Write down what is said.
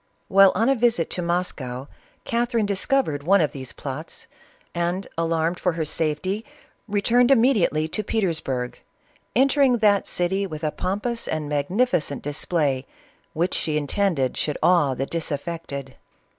While on a visit to Moscow, Catherine discovered one of these 414 CATHERINE OF RUSSIA. plots, and alarmed for her safety returned immediately to Petersburg, entering that city with a pompous and magnificent display, which she intended should awe the disaffected.